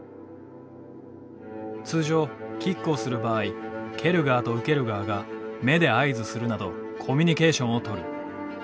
通常キックをする場合蹴る側と受ける側が目で合図するなどコミュニケーションをとる。